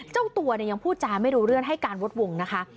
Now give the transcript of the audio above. เจ้าตัวเนี่ยยังพูดจาไม่รู้เรื่องให้การวดวงนะคะ